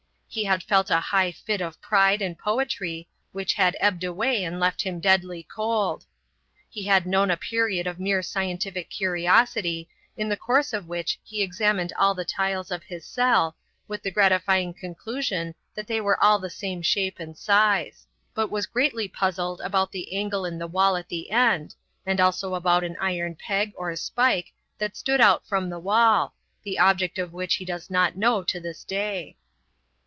He had felt a high fit of pride and poetry, which had ebbed away and left him deadly cold. He had known a period of mere scientific curiosity, in the course of which he examined all the tiles of his cell, with the gratifying conclusion that they were all the same shape and size; but was greatly puzzled about the angle in the wall at the end, and also about an iron peg or spike that stood out from the wall, the object of which he does not know to this day.